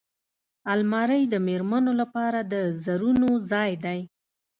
الماري د مېرمنو لپاره د زرونو ځای دی